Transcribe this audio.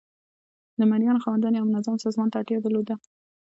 د مرئیانو خاوندانو یو منظم سازمان ته اړتیا درلوده.